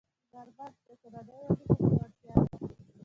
غرمه د کورنیو اړیکو پیاوړتیا ده